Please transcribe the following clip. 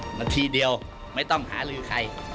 นาทีเดียวไม่ต้องหาลือใคร